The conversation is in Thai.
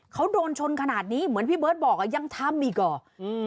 เขาโดนชนขนาดนี้เหมือนพี่เบิร์ตบอกอ่ะยังทำอีกเหรออืม